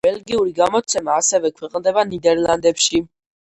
ბელგიური გამოცემა, ასევე ქვეყნდება ნიდერლანდებში.